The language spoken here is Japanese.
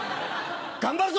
頑張るぞ！